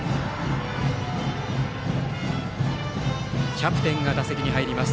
キャプテンが打席に入ります。